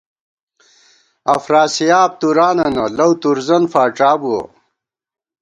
افراسیاب تُوراننہ ، لَؤ تُورزَن فاڄا بُوَہ